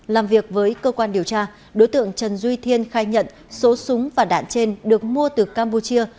làm việc với cơ quan điều tra đối tượng trần duy thiên khai nhận số súng và đạn trên được mua từ campuchia